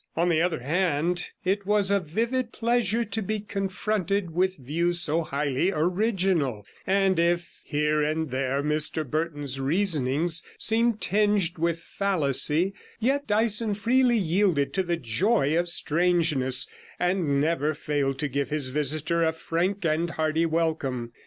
On the other hand, it was a vivid pleasure to be confronted with views so highly original; and if here and there Mr Burton's reasonings seemed tinged with fallacy, yet Dyson freely yielded to the joy 93 of strangeness, and never failed to give his visitor a frank and hearty welcome.